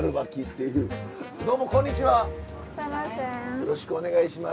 よろしくお願いします。